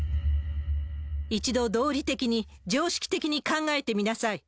一度道理的に、常識的に考えてみなさい。